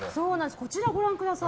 こちらをご覧ください。